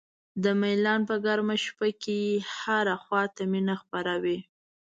د میلان په ګرمه شپه کې هره خوا ته مینه خپره وي.